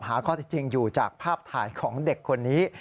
หาข้อที่จริงอยู่จากภาพถ่ายของเด็กคนนี้